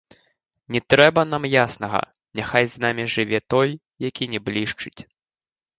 Не трэба нам яснага, няхай з намі жыве той, які не блішчыць.